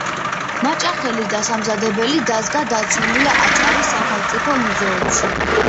მაჭახელის დასამზადებელი დაზგა დაცულია აჭარის სახელმწიფო მუზეუმში.